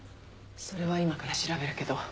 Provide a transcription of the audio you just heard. それは今から調べるけど。